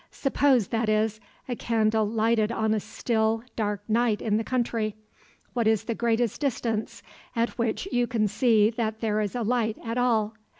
Suppose, that is, a candle lighted on a still, dark night in the country; what is the greatest distance at which you can see that there is a light at all?